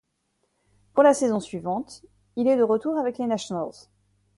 Pour la saison suivante, il est de retour avec les Nationals.